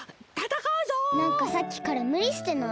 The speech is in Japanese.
なんかさっきからむりしてない？